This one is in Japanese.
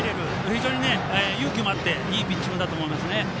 非常に勇気もあっていいピッチングだと思いますね。